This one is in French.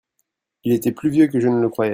Il était plus vieux que je ne le croyait.